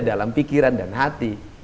dalam pikiran dan hati